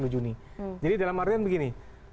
jadi dalam artian begini